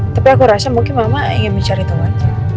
tapi aku rasa mungkin mama ingin dicari tau aja